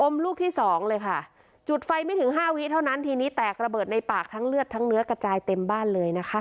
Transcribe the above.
ลูกที่สองเลยค่ะจุดไฟไม่ถึงห้าวิเท่านั้นทีนี้แตกระเบิดในปากทั้งเลือดทั้งเนื้อกระจายเต็มบ้านเลยนะคะ